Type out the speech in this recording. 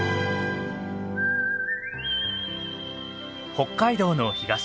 北海道の東